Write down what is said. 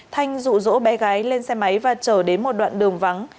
thanh dụ dỗ bé gái lên xe máy và chở đến một đoạn đường vắng